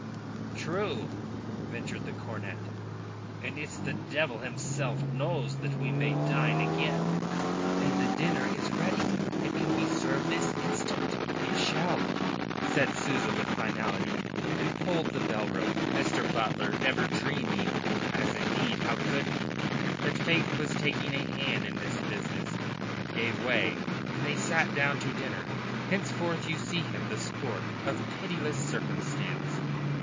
"True," ventured the cornet; "and it's the devil himself knows when we may dine again." "And the dinner is ready. It can be serve this instant. It shall," said Souza with finality, and pulled the bell rope. Mr. Butler, never dreaming as indeed how could he? that Fate was taking a hand in this business, gave way, and they sat down to dinner. Henceforth you see him the sport of pitiless circumstance.